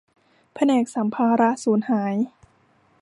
แผนกสัมภาระสูญหาย